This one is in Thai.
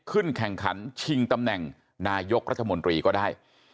ขึ้นแข่งขันชิงตำแหน่งนายกรัฐมนตรีก็ได้